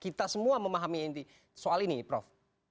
kita semua memahami inti soal ini prof